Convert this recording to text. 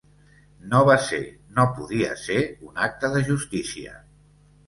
No va ser, no podia ser, un acte de justícia.